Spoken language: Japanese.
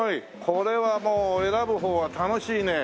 これはもう選ぶ方は楽しいね。